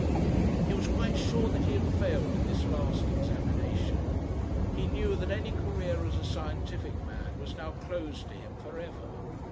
He was quite sure that he had failed in this last examination. He knew that any career as a scientific man was now closed to him for ever.